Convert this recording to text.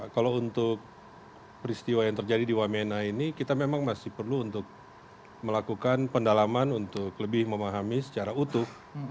kalau untuk peristiwa yang terjadi di wamena ini kita memang masih perlu untuk melakukan pendalaman untuk lebih memahami secara utuh